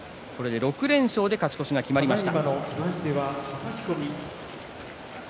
６連勝で勝ち越しが決まりました。